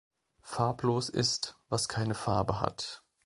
Farblos ist was keine Farbe hat.